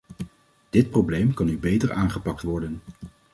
Dit probleem kan nu beter aangepakt worden.